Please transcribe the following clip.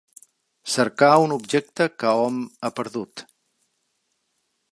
Cercar un objecte que hom ha perdut.